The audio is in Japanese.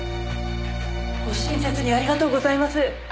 ご親切にありがとうございます。